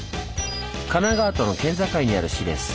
神奈川との県境にある市です。